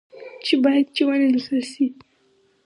چې باید چي و نه لیکل شي